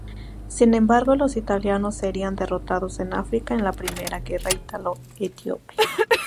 Sin embargo los italianos serían derrotados en África en la Primera guerra ítalo-etíope.